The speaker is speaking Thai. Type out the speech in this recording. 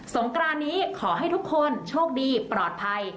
งกรานนี้ขอให้ทุกคนโชคดีปลอดภัย